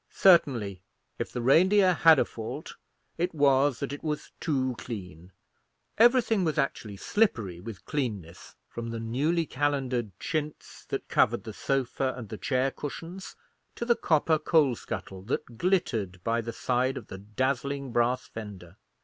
Certainly, if the Reindeer had a fault, it was that it was too clean. Everything was actually slippery with cleanness, from the newly calendered chintz that covered the sofa and the chair cushions to the copper coal scuttle that glittered by the side of the dazzling brass fender.